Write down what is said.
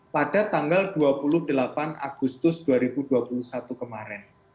pada tanggal dua puluh delapan agustus dua ribu dua puluh satu kemarin